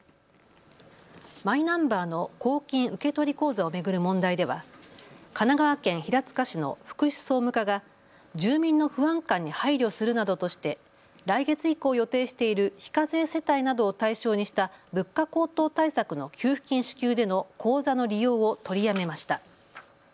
マイナンバーの公金受取口座を巡る問題では神奈川県平塚市の福祉総務課が住民の不安感に配慮するなどとして来月以降、予定している非課税世帯などを対象にした物価高騰対策の給付金支給での口座の利用を取りやめました。